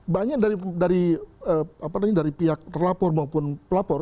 banyak dari pihak terlapor maupun pelapor